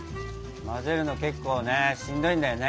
混ぜるの結構ねしんどいんだよね。